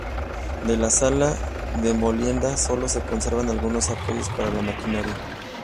De la sala de molienda solo se conservan algunos apoyos para la maquinaria.